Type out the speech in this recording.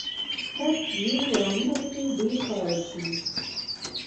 تت ژیړ رنګونه په کې ډېر کارول شوي.